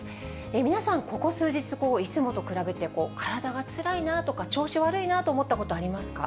皆さん、ここ数日、いつもと比べて体がつらいなとか、調子悪いなと思ったこと、ありま